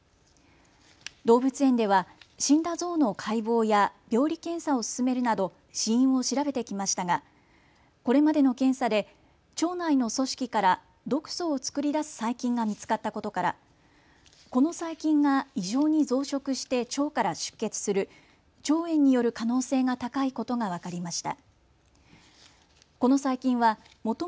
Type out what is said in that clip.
動物園では死んだゾウの解剖や病理検査を進めるなど死因を調べてきましたがこれまでの検査で腸内の組織から毒素を作り出す細菌が見つかったことからこの細菌が異常に増殖して腸から出血する腸炎による可能性が高いことが分かりました。